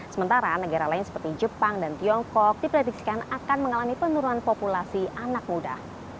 sementara negara lain seperti jepang dan tiongkok diprediksikan akan mengalami penurunan populasi anak muda